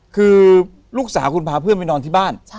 คือลูกสาวคุณพาเพื่อนไปนอนที่บ้าน